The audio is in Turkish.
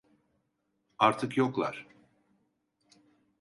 Artık yoklar.